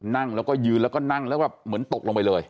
นั่งแล้วก็ยืนแล้วก็นั่งแล้วก็เหมือนตกลงไปเลย